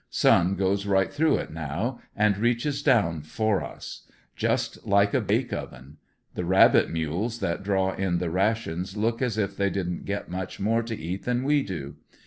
Sun goes right through it now, and reaches down for us. Just like a bake oven. The rabbit mules that draw in the rations look as if they didn't get much nore to eat than we do.